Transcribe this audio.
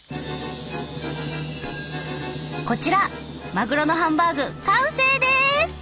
こちらまぐろのハンバーグ完成です！